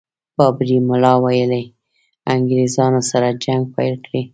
بابړي ملا ویلي انګرېزانو سره جنګ پيل کړي.